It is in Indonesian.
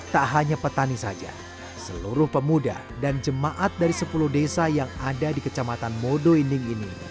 tak hanya petani saja seluruh pemuda dan jemaat dari sepuluh desa yang ada di kecamatan modo inding ini